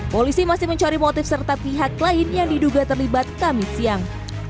polisi masih mencari motif serta pihak lain yang diduga terlibat kami siang